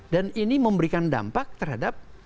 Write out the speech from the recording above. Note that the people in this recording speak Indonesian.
dan ini memberikan dampak terhadap